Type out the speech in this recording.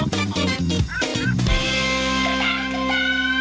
เพิ่มเวลา